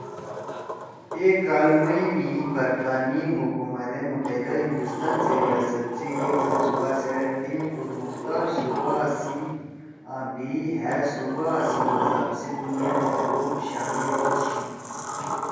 اے کال مئی می برطانی حکومت ئے متحدہ ہندوستان سی ریاست سی اے منصوبہ سوأد تیِمی خودمختار صوبا سی آں بھی ہأ صوبا سی مذہب سی بنیاد تے گروپ شامل آشی